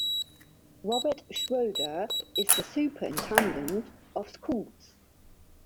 Robert Schroeder is the Superintendent of Schools.